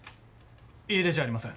家出じゃありません。